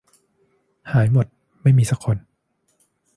หายหมด ไม่มีซักคน